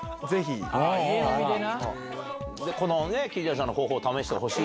この桐谷さんの方法を試してほしい。